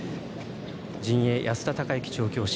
陣営、安田隆行調教師